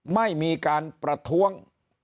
ไม่มีการประท้วง